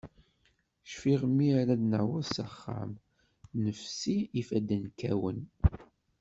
Cfiɣ, mi ara d-naweḍ s axxam, nefsi, ifadden kkawen.